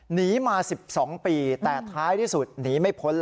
หนีมา๑๒ปีแต่ท้ายที่สุดหนีไม่พ้น